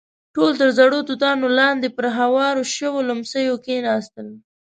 ټول تر زړو توتانو لاندې پر هوارو شويو ليمڅيو کېناستل.